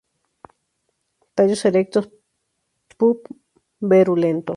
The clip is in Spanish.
Tallos erectos, puberulentos.